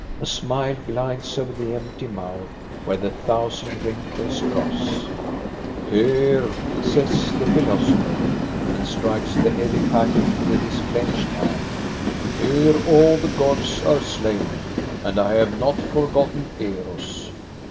" A smile glides over the empty mouth where the thousand wrinkles cross. " Here," says the philosopher, and strikes the heavy packet with his clenched hand, "here all the gods are slain, and I have not forgotten Eros.